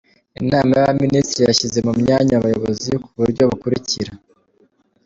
Inama y’Abaminisitiri yashyize mu myanya Abayobozi ku buryo bukurikira: